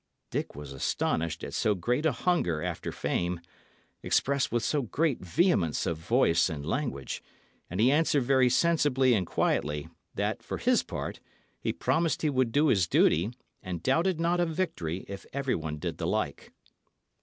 Dick was astonished at so great a hunger after fame, expressed with so great vehemence of voice and language, and he answered very sensibly and quietly, that, for his part, he promised he would do his duty, and doubted not of victory if everyone did the like.